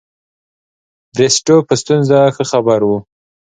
بریسټو په ستونزو ښه خبر وو.